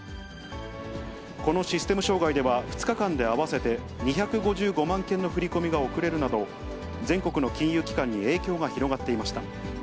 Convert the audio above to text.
このシステム障害では、２日間で合わせて２５５万件の振り込みが遅れるなど、全国の金融機関に影響が広がっていました。